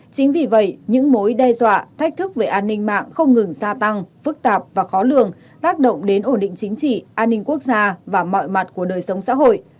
chính vì vậy những mối đe dọa thách thức về an ninh mạng không ngừng gia tăng phức tạp và khó lường tác động đến ổn định chính trị an ninh quốc gia và mọi mặt của đời sống xã hội